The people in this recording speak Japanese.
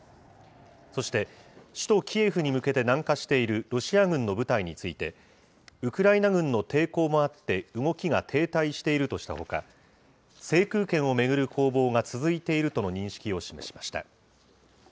そして、首都キエフに向けて南下しているロシア軍の部隊について、ウクライナ軍の抵抗もあって、動きが停滞しているとしたほか、制空権を巡る攻防が続いているとの認識を示しました。